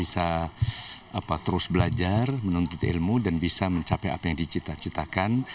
bisa terus belajar menuntut ilmu dan bisa mencapai apa yang dicita citakan